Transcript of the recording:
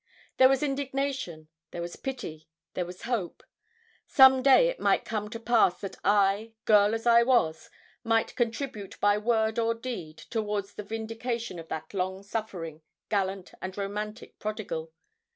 There was indignation, there was pity, there was hope. Some day it might come to pass that I, girl as I was, might contribute by word or deed towards the vindication of that long suffering, gallant, and romantic prodigal.